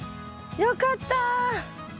よかった。